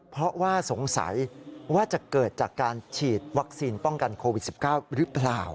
เพราะว่าสงสัยว่าจะเกิดจากการฉีดวัคซีนป้องกันโควิด๑๙หรือเปล่า